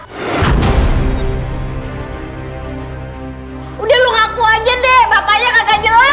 sudah kamu mengaku saja bapaknya tidak jelas